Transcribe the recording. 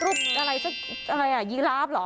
รูปอะไรสักยีราบหรอ